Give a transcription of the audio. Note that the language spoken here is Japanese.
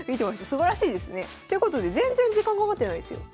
すばらしいですね。ということで全然時間かかってないですよ。